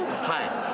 はい。